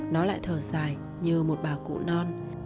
nó lại thờ dài như một bà cụ non